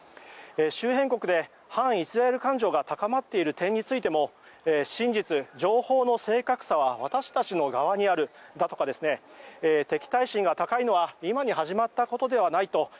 周辺国で反イスラエル感情が高まっている点についても真実、情報の正確さは私たちの側にあるだとか敵対心が高いのは今に始まったことではないとか